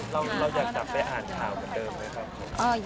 เราอยากกลับไปอ่านข่าวเหมือนเดิมไหมครับ